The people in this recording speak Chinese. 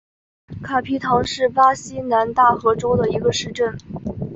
卡皮唐是巴西南大河州的一个市镇。